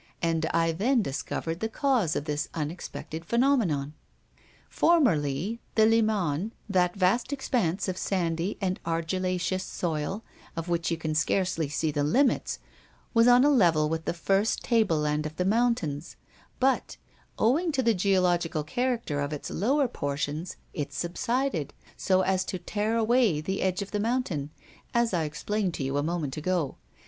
And I then discovered the cause of this unexpected phenomenon. "Formerly the Limagne, that vast expanse of sandy and argillaceous soil, of which you can scarcely see the limits, was on a level with the first table land of the mountains; but owing to the geological character of its lower portions, it subsided, so as to tear away the edge of the mountain, as I explained to you a moment ago.